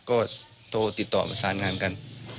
ได้โตร์ไปติดต่อสร้างงานกัน